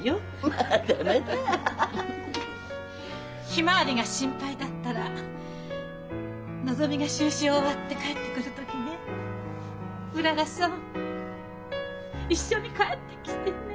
ひまわりが心配だったらのぞみが修習終わって帰ってくる時ねうららさん一緒に帰ってきてね。